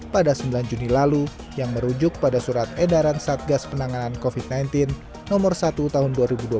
pada sembilan juni lalu yang merujuk pada surat edaran satgas penanganan covid sembilan belas nomor satu tahun dua ribu dua puluh